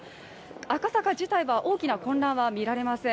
赤坂自体は大きな混乱は見られません。